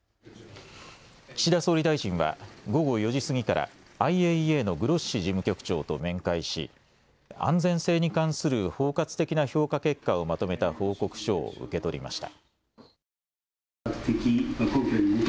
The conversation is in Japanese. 岸田総理大臣は午後４時過ぎからＩＡＥＡのグロッシ事務局長と面会し安全性に関する包括的な評価結果をまとめた報告書を受け取りました。